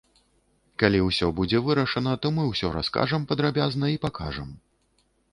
Калі ўсё будзе вырашана, то мы ўсё раскажам падрабязна і пакажам.